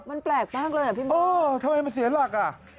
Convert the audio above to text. มันแปลกมากเลยทำไมมันเสียหลักอ่ะ